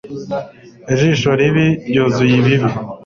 nijisho ribi, ryuzuye ibibi